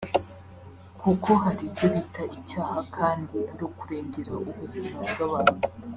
kuko hari ibyo bita icyaha kandi ari ukurengera ubuzima bw’abantu